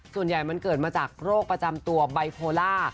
ส่วนใหญ่มันเกิดมาจากโรคประจำตัวไบโพล่า